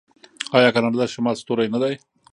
آیا کاناډا د شمال ستوری نه دی؟